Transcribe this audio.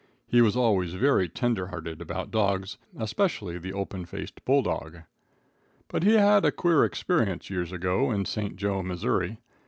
He was always very tender hearted about dogs, especially the open faced bulldog. But he had a queer experience years ago, in St. Jo, Missouri.